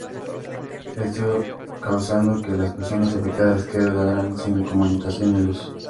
Esto causando que las personas afectadas quedaran sin comunicación y luz.